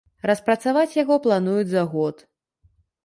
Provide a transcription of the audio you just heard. Распрацаваць яго плануюць за год.